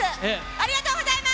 ありがとうございます。